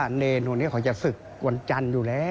คุณผู้ชมฟังเสียงเจ้าอาวาสกันหน่อยค่ะ